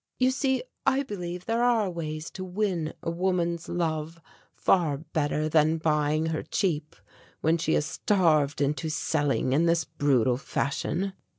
You see, I believe there are ways to win a woman's love far better than buying her cheap when she is starved into selling in this brutal fashion."